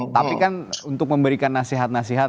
tapi kan untuk memberikan nasihat nasihat